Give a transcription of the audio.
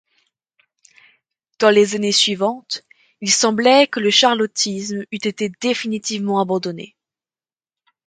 Dans les années suivantes, il semblait que le charlottisme eût été définitivement abandonné.